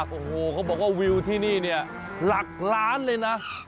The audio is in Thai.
เพราะทุกที่นี่เนี่ยหลักล้านเลยนะ